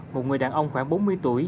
một người đàn ông khoảng bốn mươi tuổi